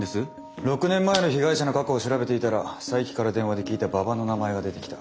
６年前の被害者の過去を調べていたら佐伯から電話で聞いた馬場の名前が出てきた。